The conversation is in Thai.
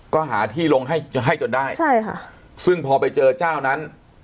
ก็หาที่ลงให้ให้จนได้ใช่ค่ะซึ่งพอไปเจอเจ้านั้น